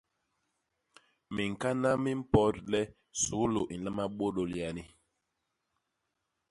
Miñkana mi mpot le suglu i nlama bôdôl yani.